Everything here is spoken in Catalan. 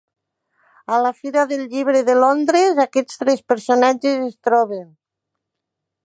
A la Fira del Llibre de Londres, aquests tres personatges es troben.